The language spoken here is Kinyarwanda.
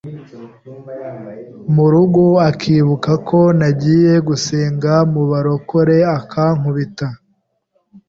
mu rugo akibuka ko nagiye gusenga mu barokore akankubita